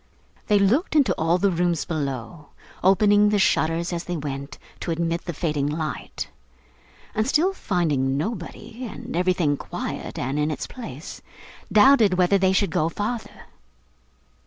They looked into all the rooms below: opening the shutters as they went, to admit the fading light: and still finding nobody, and everything quiet and in its place, doubted whether they should go farther.